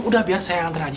udah biar saya yang antar aja